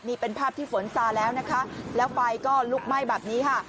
นี่เป็นภาพที่ฝนซาแล้วนะคะแล้วไฟก็ลุกไหม้แบบนี้ค่ะ